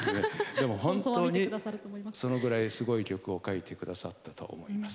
でも本当にそのぐらいすごい曲を書いてくださったと思います。